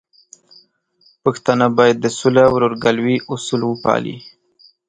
پښتانه بايد د سولې او ورورګلوي اصول وپالي.